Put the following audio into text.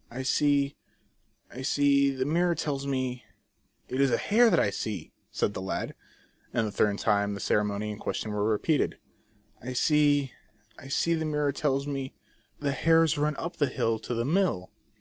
" I see, I see, the mirror tells me, It is a hare that I see," .said the lad. A third time the ceremony and question were repeated. " I see, I see, the mirror tells me, The hares run up the hill to the mill."